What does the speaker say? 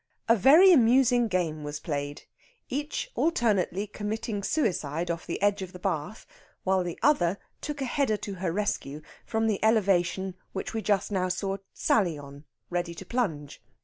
A very amusing game was played, each alternately committing suicide off the edge of the bath while the other took a header to her rescue from the elevation which we just now saw Sally on ready to plunge.